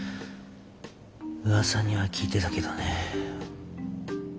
うわさには聞いてたけどね。